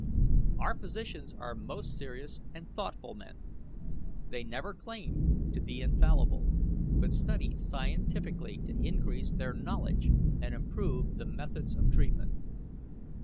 Our physicians are most serious and thoughtful men. They never claim to be infallible, but study scientifically to increase their knowledge and improve the methods of treatment.